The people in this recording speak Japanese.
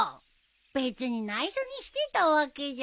別に内緒にしてたわけじゃ。